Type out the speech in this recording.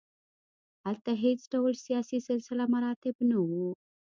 هلته هېڅ ډول سیاسي سلسله مراتب نه وو.